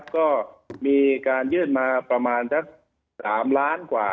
ก็มีการยื่นมาประมาณสัก๓ล้านกว่า